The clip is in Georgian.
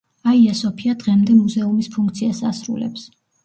აია-სოფია დღემდე მუზეუმის ფუნქციას ასრულებს.